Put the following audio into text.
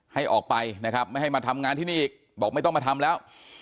ให้ออกไปนะครับไม่ให้มาทำงานที่นี่อีกบอกไม่ต้องมาทำแล้ว